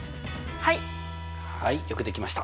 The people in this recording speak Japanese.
はい。